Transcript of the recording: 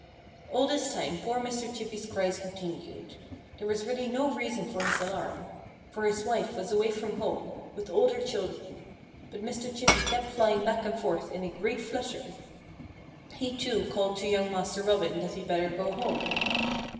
All this time poor Mr. Chippy's cries continued. There was really no reason for his alarm. For his wife was away from home, with all their children. But Mr. Chippy kept flying back and forth in a great flutter. He too called to young Master Robin that he'd better go home.